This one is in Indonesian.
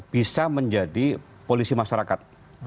bisa menjadi polisi masyarakat